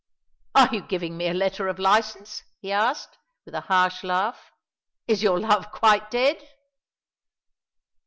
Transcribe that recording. "Are you giving me a letter of license?" he asked, with a harsh laugh. "Is your love quite dead?"